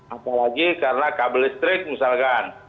apalagi karena kabel listrik misalkan